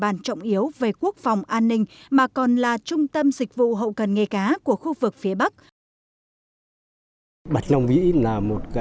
địa bàn trọng yếu về quốc phòng an ninh mà còn là trung tâm dịch vụ hậu cần nghề cá của khu vực phía bắc